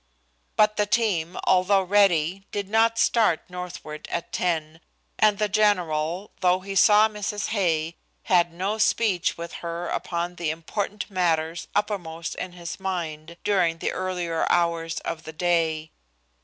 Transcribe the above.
But the team, although ready, did not start northward at ten, and the general, though he saw Mrs. Hay, had no speech with her upon the important matters uppermost in his mind during the earlier hours of the day.